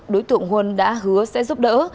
đối tượng huân đã hứa sẽ giúp đỡ